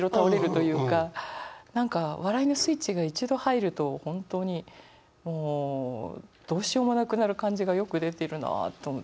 何か笑いのスイッチが一度入ると本当にもうどうしようもなくなる感じがよく出てるなあと思って。